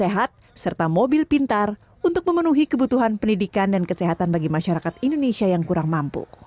sehat serta mobil pintar untuk memenuhi kebutuhan pendidikan dan kesehatan bagi masyarakat indonesia yang kurang mampu